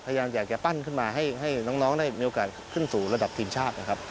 พยายามอยากจะปั้นขึ้นมาให้น้องได้มีโอกาสขึ้นสู่ระดับทีมชาตินะครับ